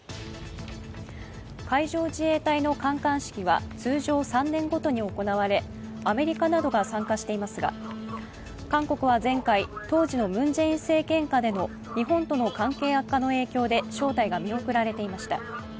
海上自衛隊の観艦式は通常３年ごとに行われアメリカなどが参加していますが、韓国は前回、当時のムン・ジェイン政権下での日本との関係悪化の影響で招待が見送られていました。